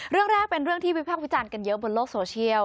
เรื่องแรกเป็นเรื่องที่วิพากษ์วิจารณ์กันเยอะบนโลกโซเชียล